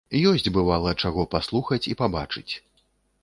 Ёсць, бывала, чаго паслухаць і пабачыць.